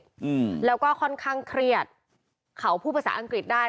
อืมแล้วก็ค่อนข้างเครียดเขาพูดภาษาอังกฤษได้